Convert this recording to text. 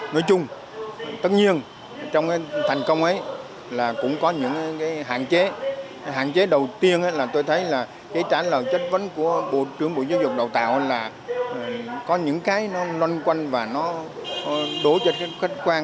nói chung tất nhiên trong thành công ấy là cũng có những hạn chế hạn chế đầu tiên là tôi thấy là trả lời chất vấn của bộ trưởng bộ giáo dục đào tạo là có những cái nó loanh quanh và nó đối với các khách quan